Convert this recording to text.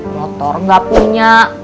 motor gak punya